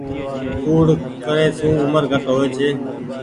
ڪوڙي ڪري سون اومر گھٽ هووي ڇي۔